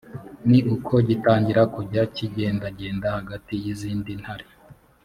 ni uko gitangira kujya kigendagenda hagati y’izindi ntare